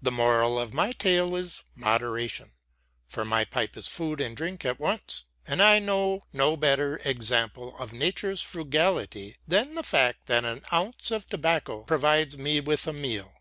The moral of my tale is moderation; for my pipe is food and drink at once, and I know no better example of Nature's frugality than the fact that an ounce of tobacco provides me with a meal.